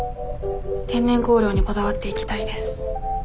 天然香料にこだわっていきたいです。